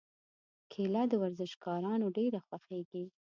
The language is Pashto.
کېله د ورزشکارانو ډېره خوښېږي.